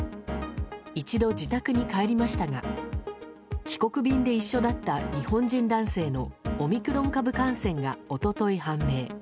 一度、自宅に帰りましたが帰国便で一緒だった日本人男性のオミクロン株感染が一昨日判明。